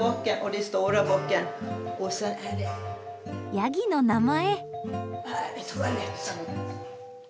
ヤギの名前！